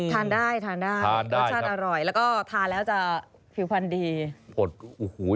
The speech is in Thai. ทานได้แต่วิชาติอร่อยแล้วทานแล้วจะผิวพันธ์ดี